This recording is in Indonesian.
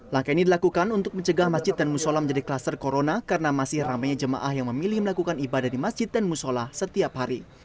langkah ini dilakukan untuk mencegah masjid dan musola menjadi kluster corona karena masih ramainya jemaah yang memilih melakukan ibadah di masjid dan musola setiap hari